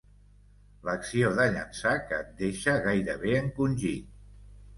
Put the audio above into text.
L'acció de llançar que et deixa gairebé encongit.